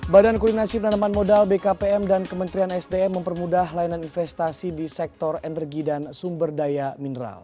badan koordinasi penanaman modal bkpm dan kementerian sdm mempermudah layanan investasi di sektor energi dan sumber daya mineral